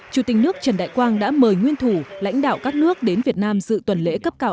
chủ tịch nước trần đại quang đã mời nguyên thủ lãnh đạo các nước đến việt nam dự tuần lễ cấp cao